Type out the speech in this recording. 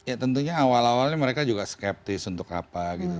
ya tentunya awal awalnya mereka juga skeptis untuk apa gitu